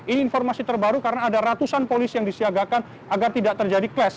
ini informasi terbaru karena ada ratusan polisi yang disiagakan agar tidak terjadi clash